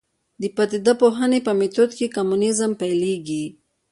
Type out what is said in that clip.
د پدیده پوهنې په میتود کې کمونیزم پیلېږي.